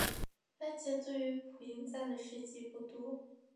外界对于朴英赞的事迹不多。